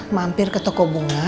mampir ke toko bunga